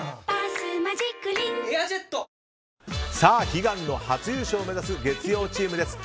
悲願の初優勝を目指す月曜チームです。